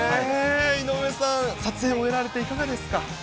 井上さん、撮影終えられていかがですか。